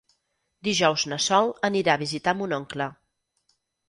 Dijous na Sol anirà a visitar mon oncle.